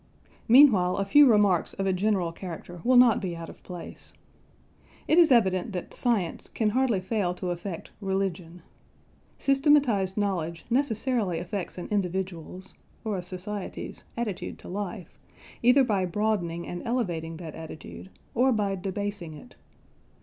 Meanwhile a few remarks of a general character will not be out of place. It is evident that "science" can hardly fail to affect "religion." Systematised knowledge necessarily affects an individual's (or a society's) attitude to life either by broadening and elevating that attitude, or by debasing it.